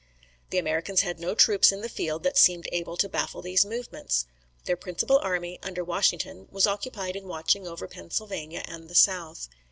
The Americans had no troops in the field that seemed able to baffle these movements. Their principal army, under Washington, was occupied in watching over Pennsylvania and the south.